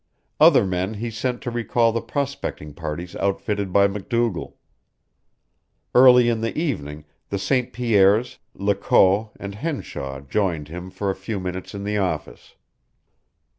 Other men he sent to recall the prospecting parties outfitted by MacDougall. Early in the evening the St. Pierres, Lecault, and Henshaw joined him for a few minutes in the office.